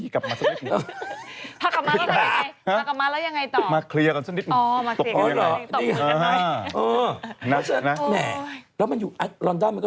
ก็อาจจะวนอาจจะได้เจอก็ได้ใครจะไปรู้